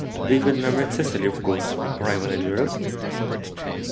"David married Cecily, of course, on arriving in Europe?"